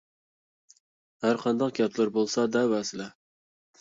ھەرقانداق گەپلىرى بولسا دەۋەرسىلە!